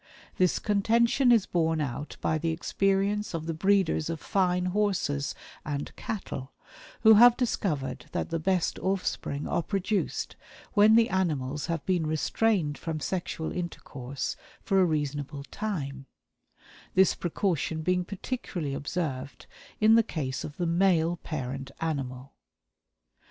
This contention is borne out by the experience of the breeders of fine horses and cattle, who have discovered that the best offspring are produced when the animals have been restrained from sexual intercourse for a reasonable time; this precaution being particularly observed in the case of the male parent animal.